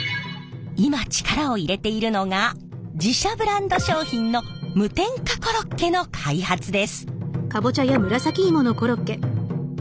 今力を入れているのが自社ブランド商品の無添加コロッケの開発です。